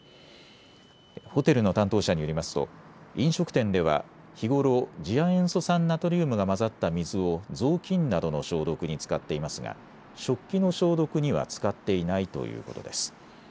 ホテルの担当者によりますと飲食店では日頃次亜塩素酸ナトリウムが混ざった水を雑巾などの消毒に使っていますが食器の消毒には使っていないということです。